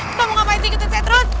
eh kamu ngapain sih ketut setrus